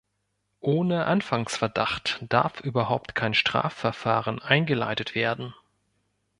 Ohne Anfangsverdacht darf überhaupt kein Strafverfahren eingeleitet werden.